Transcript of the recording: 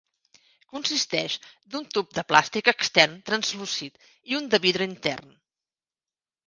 Consisteix d'un tub de plàstic extern translúcid i un de vidre intern.